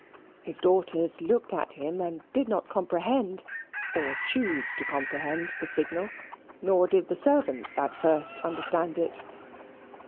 His daughters looked at him and did not comprehend, or choose to comprehend, the signal; nor did the servants at first understand it.